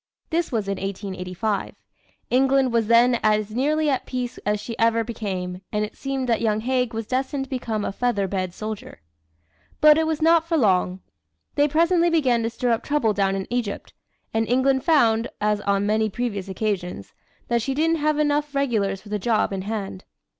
This was in 1885. England was then as nearly at peace as she ever became, and it seemed that young Haig was destined to become a feather bed soldier. But it was not for long. They presently began to stir up trouble down in Egypt, and England found, as on many previous occasions, that she didn't have half enough regulars for the job in hand.